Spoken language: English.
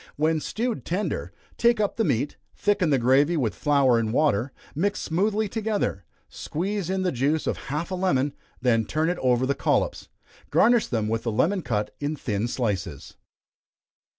When stewed tender, take up the meat, thicken the gravy with flour and water, mixed smoothly together, squeeze in the juice of half a lemon, then turn it over the collops. Garnish them with a lemon cut in thin slices.